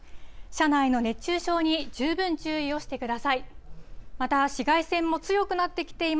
車内の熱中症に十分注意をしてください。